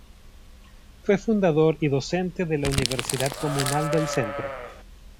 Fue fundador y docente de la Universidad Comunal del Centro.